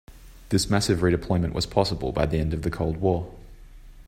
This massive redeployment was possible by the end of the Cold War.